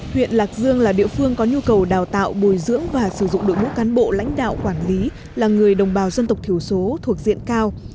huyện lạc dương là địa phương có nhu cầu đào tạo bồi dưỡng và sử dụng đội ngũ cán bộ lãnh đạo quản lý là người đồng bào dân tộc thiểu số thuộc diện cao